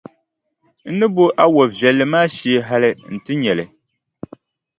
N ni bo a wɔʼ viɛlli maa shee hali nti nya li.